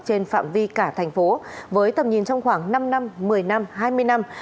trên phạm vi cả thành phố với tầm nhìn trong khoảng năm năm một mươi năm hai mươi năm